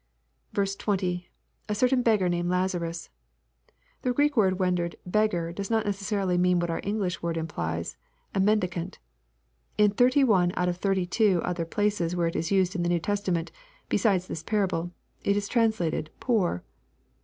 20. — [A certain beggar named Lazarus!] The Greek word rendered " beggar" does not necessarily mean what our English word im plies, a mendicant. In thirty one out of thirty two other places where it is used in the New Testament, beside this parable, it is translated "poor."